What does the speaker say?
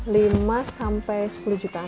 lima sampai sepuluh jutaan